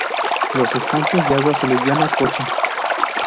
Los estanques de agua se les llama "Cocha".